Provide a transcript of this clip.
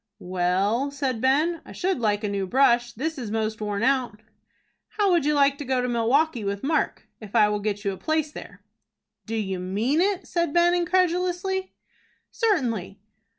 "Well," said Ben, "I should like a new brush. This is most worn out." "How would you like to go to Milwaukie with Mark, if I will get you a place there?" "Do you mean it?" said Ben, incredulously. "Certainly."